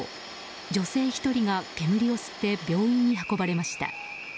女性１人が煙を吸って病院に運ばれました。